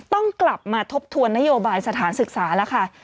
ต้องกลับมาทบทวนนโยบายสถานศึกษาแล้วค่ะ